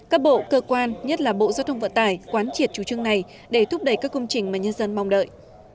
các bộ cơ quan nhất là bộ giao thông vận tải quán triệt chủ trương này để thúc đẩy các công trình mà nhân dân mong đợi